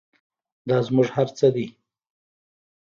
دا زموږ هر څه دی